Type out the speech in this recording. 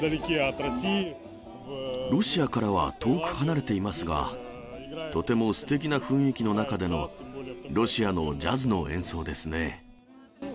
ロシアからは遠く離れていますが、とてもすてきな雰囲気の中でのロシアのジャズの演奏ですね。